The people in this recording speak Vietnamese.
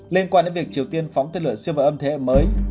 liên quan đến việc triều tiên phóng tên lửa siêu vật âm thế hệ mới